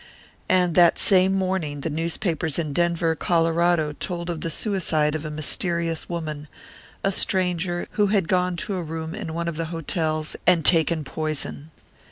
And that same morning the newspapers in Denver, Colorado, told of the suicide of a mysterious woman, a stranger, who had gone to a room in one of the hotels and taken poison.